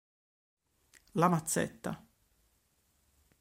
La mazzetta